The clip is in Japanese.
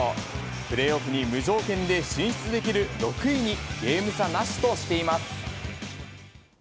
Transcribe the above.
プレーオフに無条件で進出できる６位にゲーム差なしとしています。